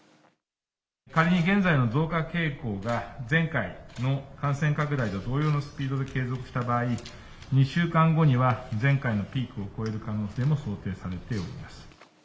仮に現在の増加傾向が前回の感染拡大と同様のスピードで継続した場合、２週間後には、前回のピークを超える可能性も想定されております。